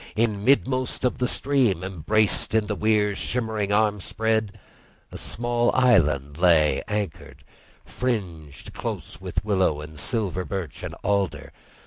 In midmost of the stream, embraced in the weir's shimmering arm spread, a small island lay anchored, fringed close with willow and silver birch and alder.